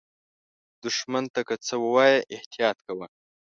دښمن ته که څه ووایې، احتیاط کوه